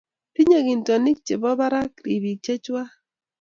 tinye kintonik che bo barak ribiik chechwak